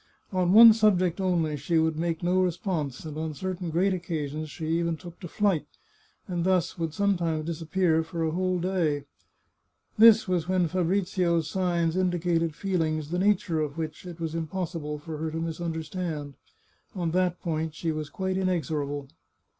On one subject only she would make no response, and on certain great occasions she even took to flight, and thus would sometimes disappear for a whole day. This was when Fa brizio's signs indicated feelings the nature of which it was impossible for her to misunderstand. On that point she was quite inexorable.